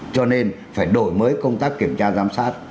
cho nên phải đổi mới công tác kiểm tra giám sát